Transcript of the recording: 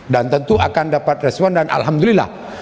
dan tentu akan dapat respon dan alhamdulillah